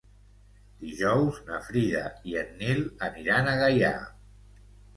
Dijous na Frida i en Nil aniran a Gaià.